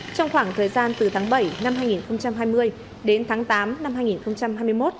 trong khoảng thời gian từ tháng bảy năm hai nghìn hai mươi đến tháng tám năm hai nghìn hai mươi một